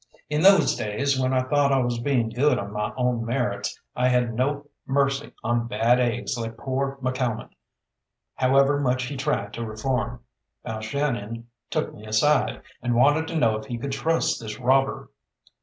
In those days, when I thought I was being good on my own merits, I had no mercy on bad eggs like poor McCalmont, however much he tried to reform. Balshannon took me aside, and wanted to know if he could trust this robber.